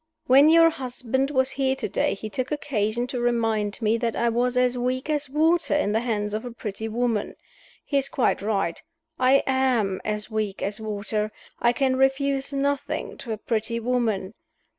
When your husband was here to day he took occasion to remind me that I was as weak as water in the hands of a pretty woman. He is quite right. I am as weak as water; I can refuse nothing to a pretty woman.